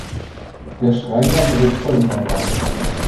Der Schreiner dreht völlig am Rad.